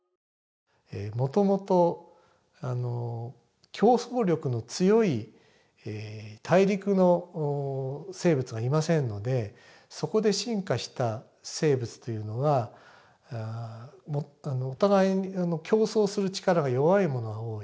もともと競争力の強い大陸の生物がいませんのでそこで進化した生物というのはお互い競争する力が弱いものが多い。